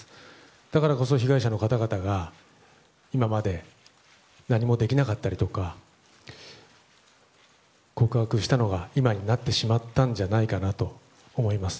だからこそ被害者の方々が今まで何もできなかったりとか告白したのが今になってしまったんじゃないかなと思います。